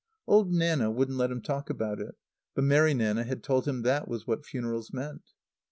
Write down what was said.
Old Nanna wouldn't let him talk about it; but Mary Nanna had told him that was what funerals meant.